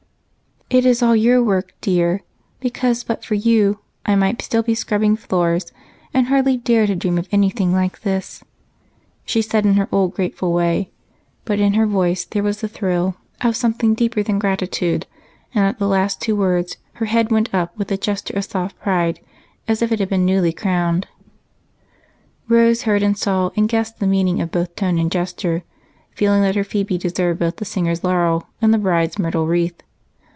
"It is all your work, dear, because but for you I might still be scrubbing floors and hardly dare to dream of anything like this," she said in her old grateful way, but in her voice there was a thrill of something deeper than gratitude, and at the last two words her head went up with a gesture of soft pride as if it had been newly crowned. Rose heard and saw and guessed at the meaning of both tone and gesture, feeling that her Phebe deserved both the singer's laurel and the bride's myrtle wreath.